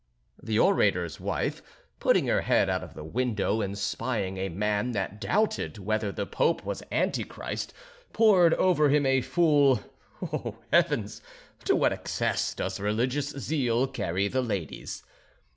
The orator's wife, putting her head out of the window, and spying a man that doubted whether the Pope was Anti Christ, poured over him a full.... Oh, heavens! to what excess does religious zeal carry the ladies.